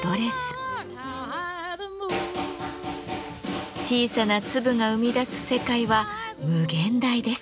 小さな粒が生み出す世界は無限大です。